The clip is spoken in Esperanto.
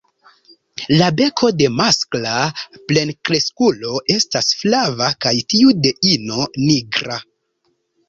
La beko de maskla plenkreskulo estas flava kaj tiu de ino nigra.